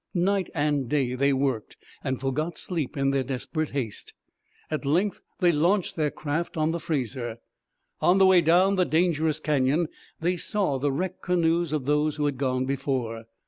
Night and day they worked, and forgot sleep in their desperate haste. At length they launched their craft on the Fraser. On the way down the dangerous canyon they saw the wrecked canoes of those who had gone before.